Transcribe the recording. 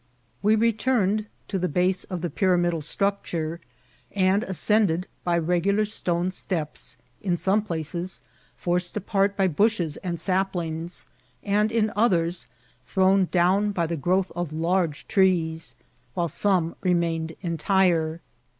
We returned to the base of the pyramidal structure, and ascended by regular stone steps, in some places forced apart by bushes and saplings, and in others thrown down by the growth of large trees, while some remained entire.